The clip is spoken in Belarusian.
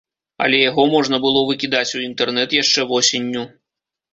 Але яго можна было выкідаць у інтэрнэт яшчэ восенню.